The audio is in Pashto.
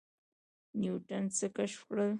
نیوټن څه کشف کړل؟